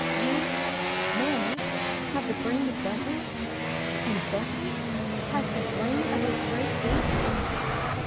You, Manape, have the brain of Bentley, and Bentley has the brain of a great ape?"